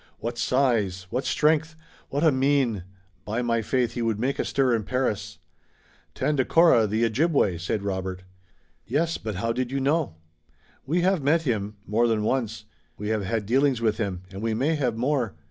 What size! What strength! What a mien! By my faith, he would make a stir in Paris!" "Tandakora, the Ojibway!" said Robert. "Yes, but how did you know?" "We have met him more than once. We have had dealings with him, and we may have more.